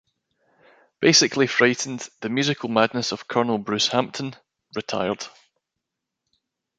Basically Frightened: The Musical Madness of Colonel Bruce Hampton, Ret.